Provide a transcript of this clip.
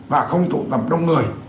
và không tụ tập đông người